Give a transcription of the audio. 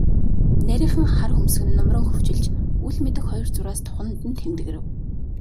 Нарийхан хар хөмсөг нь нумран хөвчилж, үл мэдэг хоёр зураас духанд нь тэмдгэрэв.